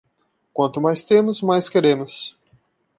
Quanto mais temos, mais queremos.